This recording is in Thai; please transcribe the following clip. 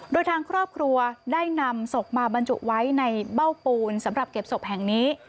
โดยทางครอบครัวได้นำศพมาบรรจุไว้ในเบ้าปูนสำหรับเก็บศพแห่งนี้